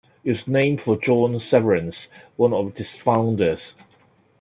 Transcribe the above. It was named for John Severance, one of its founders.